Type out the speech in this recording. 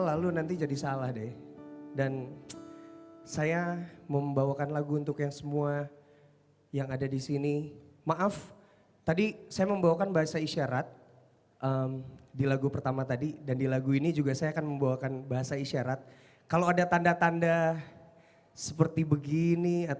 aku takkan pergi menunggu kamu di sini